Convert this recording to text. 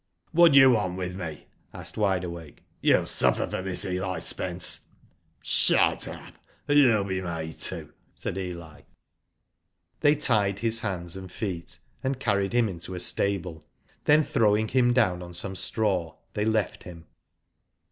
'* What do you want with me ?" asked Wide Awake. *'YouMI suffer for this, Eli Spence." "Shut up, or you'll be made to," said Eli. They tied his hands and feet, and carried him ^into a stable. Then throwing him down on some straw, they left him.